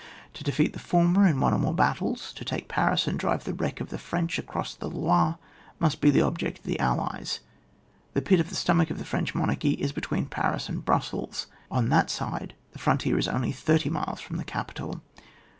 To defeat the former in one or more battles, to take Paris and drive the wreck of the French across the Loire, must be the object of the allies. The pit of the sto mach of the French monarchy is between Paris and Brussels, on that side the fi*on tier is only thirty miles from the capital.